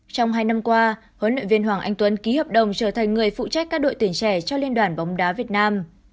trong hai năm qua huấn luyện viên hoàng anh tuấn ký hợp đồng trở thành người phụ trách các đội tuyển trẻ cho liên đoàn bóng đá việt nam